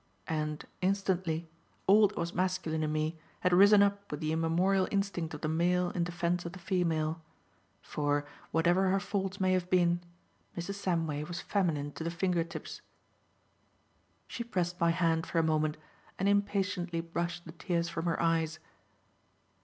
And, instantly, all that was masculine in me had risen up with the immemorial instinct of the male in defence of the female; for, whatever her faults may have been, Mrs. Samway was feminine to the finger tips. She pressed my hand for a moment and impatiently brushed the tears from her eyes.